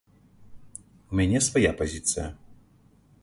У мяне свая пазіцыя.